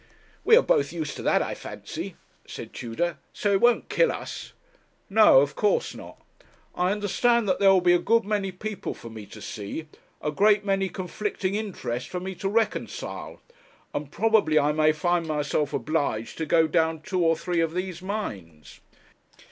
'We are both used to that, I fancy,' said Tudor, 'so it won't kill us.' 'No, of course not. I understand that there will be a good many people for me to see, a great many conflicting interests for me to reconcile; and probably I may find myself obliged to go down two or three of these mines.'